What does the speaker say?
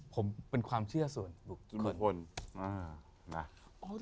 ผมเป็นความเชื่อส่วนบุคคลนะ